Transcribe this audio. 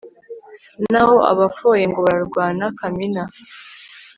Naho abafoye ngo bararwana Kamina